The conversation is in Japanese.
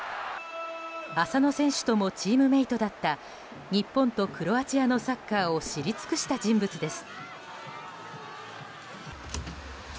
浅野選手ともチームメートだった日本とクロアチアのサッカーを知り尽くした人物です。